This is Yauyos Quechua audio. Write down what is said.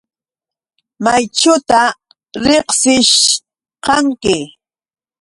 ¿Mayćhuta riqsishqanki?